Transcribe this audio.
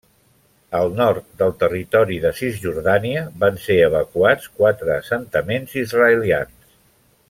Al nord del territori de Cisjordània van ser evacuats quatre assentaments israelians.